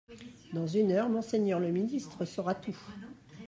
Dans une heure, monseigneur le ministre saura tout.